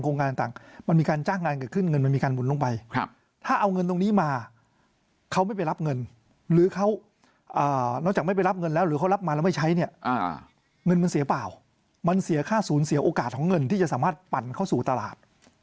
เงินมันเสียเปล่ามันเสียค่าศูนย์เสียโอกาสของเงินที่จะสามารถปั่นเข้าสู่ตลาด